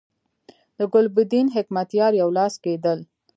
د ګلبدین حکمتیار یو لاس کېدل.